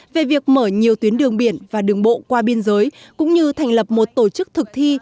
về việc mở nhiều tuyến đường biển và đường bộ qua biên giới cũng như thành lập một tổ chức thực thi